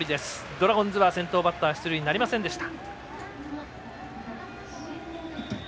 ドラゴンズは先頭バッター出塁なりませんでした。